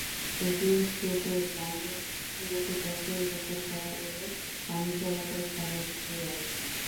এটি কেটে পানির গতিপথ পরিবর্তন করা গেলে পানি চলাচল স্বাভাবিক হয়ে আসবে।